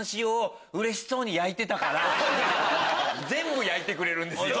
全部焼いてくれるんですよ。